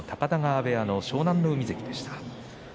部屋の湘南乃海関でした。